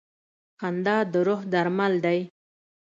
• خندا د روح درمل دی.